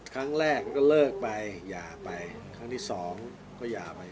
ครั้งแรกก็เลิกไปหย่าไปครั้งที่สองก็อย่าไป